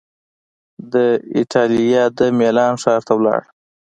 د ایټالیا د میلان ښار ته ولاړ